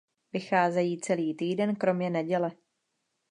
Vycházejí celý týden kromě neděle.